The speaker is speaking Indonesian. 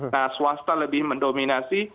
nah swasta lebih mendominasi